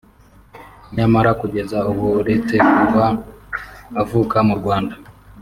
nyamara kugeza ubu uretse kuba avuka mu Rwanda